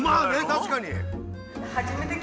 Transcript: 確かに。